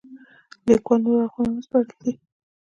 لیکوال نور اړخونه هم سپړلي دي.